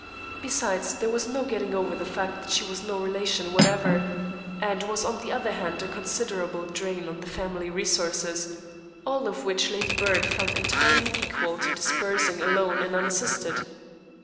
Besides, there was no getting over the fact that she was no relation whatever, and was on the other hand a considerable drain on the family resources, all of which Lady Byrne felt entirely equal to disbursing alone and unassisted.